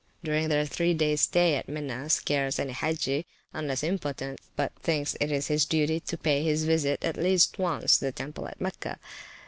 [p.378] During their three days stay at Mina, scarce any Hagge (unless impotent) but thinks it his duty to pay his visit, once at least, to the temple at Mecca.